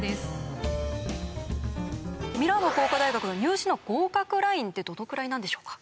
ミラノ工科大学の入試の合格ラインってどのくらいなんでしょうか？